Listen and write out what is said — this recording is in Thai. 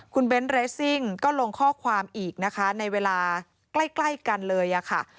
คุณเบ้นเรสซิ่งก็ลงข้อความอีกนะคะในเวลาใกล้กันเลยค่ะ